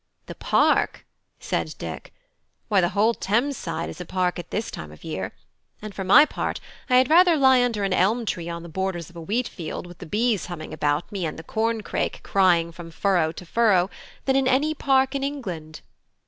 "The Park!" said Dick; "why, the whole Thames side is a park this time of the year; and for my part, I had rather lie under an elm tree on the borders of a wheat field, with the bees humming about me and the corn crake crying from furrow to furrow, than in any park in England.